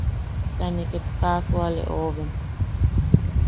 Ta ne ket kaa a suale oben.